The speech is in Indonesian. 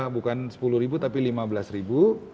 bukan sepuluh ribu tapi lima belas ribu